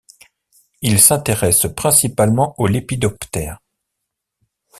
Il s’intéresse principalement aux lépidoptères.